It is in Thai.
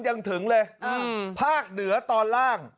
ยังถึงเลยภาคเหนือตอนล่าง